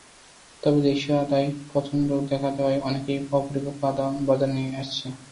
তবে দেশীয় আদায় পচনরোগ দেখা দেওয়ায় অনেকেই অপরিপক্ব আদা বাজারে নিয়ে আসছে।